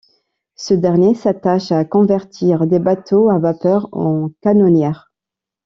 Ce dernier s'attache à convertir des bateaux à vapeur en canonnières.